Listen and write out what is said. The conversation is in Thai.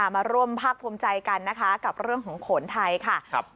มาร่วมภาคภูมิใจกันนะคะกับเรื่องของโขนไทยค่ะ